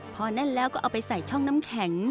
พอแน่นแล้วก็เอาไปใส่ช่องน้ำแข็ง